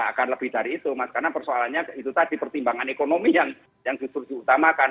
akan lebih dari itu mas karena persoalannya itu tadi pertimbangan ekonomi yang justru diutamakan